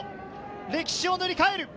歴史を塗り替える。